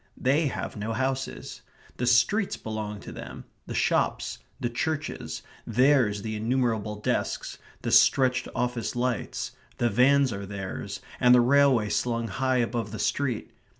They have no houses. The streets belong to them; the shops; the churches; theirs the innumerable desks; the stretched office lights; the vans are theirs, and the railway slung high above the street.